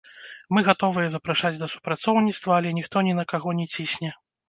Мы гатовыя запрашаць да супрацоўніцтва, але ніхто ні на каго не цісне.